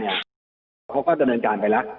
พวกเขาก็กำเนียนการไปแล้ว